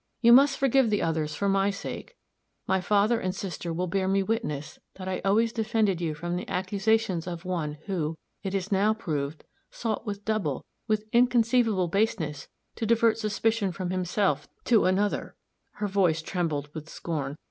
You must forgive the others for my sake. My father and sister will bear me witness that I always defended you from the accusations of one who, it is now proved, sought with double, with inconceivable baseness, to divert suspicion from himself to another" her voice trembled with scorn.